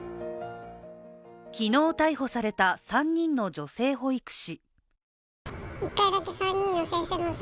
昨日逮捕された３人の女性保育士。